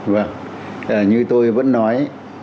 vâng như tôi vẫn nói